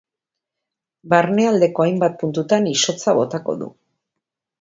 Barnealdeko hainbat puntutan izotza botako du.